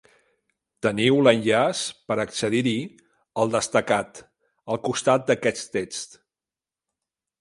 Teniu l'enllaç per accedir-hi al destacat, al costat d'aquest text.